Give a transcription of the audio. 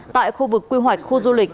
tại khu vực quy hoạch khu du lịch